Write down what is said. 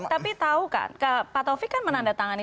tapi tahu kan pak taufik kan menandatangani